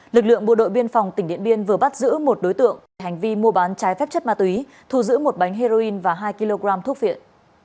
lực lượng bộ đội biên phòng tỉnh điện biên vừa bắt giữ một đối tượng về hành vi mua bán trái phép chất ma túy thu giữ một bánh heroin và hai kg thuốc viện